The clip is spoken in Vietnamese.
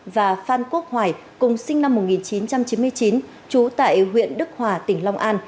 và phan quốc hoài cùng sinh năm một nghìn chín trăm chín mươi chín trú tại huyện đức hòa tỉnh long an